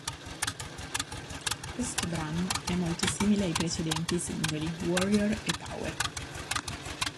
Questo brano è molto simile ai precedenti singoli, "Warrior" e "Power.